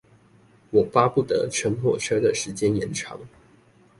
我巴不得乘火車的時間延長